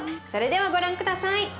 それではご覧下さい。